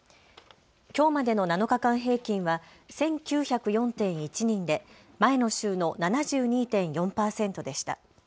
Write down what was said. きょうまでの７日間平均は１９０４．１人で前の週の７２．４％でした。